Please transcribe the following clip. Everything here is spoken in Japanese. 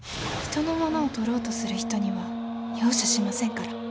人のものをとろうとする人には容赦しませんから。